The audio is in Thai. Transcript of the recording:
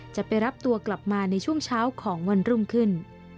จะไปรับตัวกลับมาในช่วงเช้าของวันรุ่งขึ้น